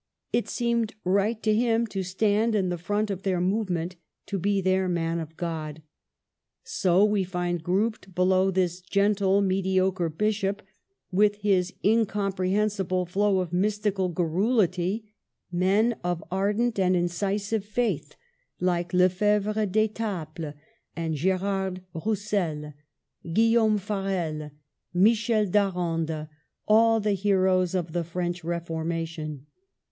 It seemed right to him to stand in the front of their movement, to be their Man of God. So we find grouped below this gentle mediocre bishop, with his incomprehensible flow of mys tical garrulity, men of ardent and incisive faith like Lefebvre d'Etaples and Gerard Roussel, Guillaume Farel, Michel d'Arande, — all the heroes of the French Reformation.